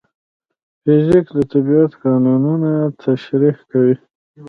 فزیک د طبیعت قانونونه تشریح کوي.